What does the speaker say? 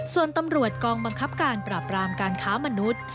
ส่วนตำรวจกองบังคับการปราบรามการค้ามนุษย์